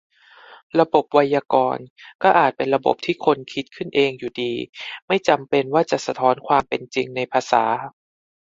ระบบไวยากรณ์ ก็อาจเป็นระบบที่คนคิดขึ้นเองอยู่ดี ไม่จำเป็นว่าจะสะท้อนความเป็นจริงในภาษา